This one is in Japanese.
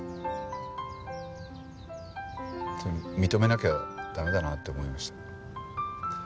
認めなきゃ駄目だなって思いました。